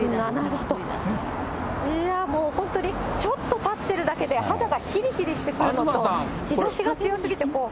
いやー、本当にちょっと立っているだけで、肌がひりひりしてくるのと、日ざしが強すぎてもう。